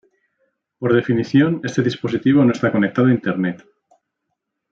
Por definición, este dispositivo no está conectado a Internet.